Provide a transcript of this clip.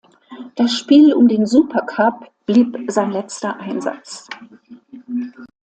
Das Spiel um den Supercup blieb sein letzter Einsatz.